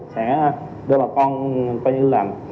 sẽ đưa bà con coi như là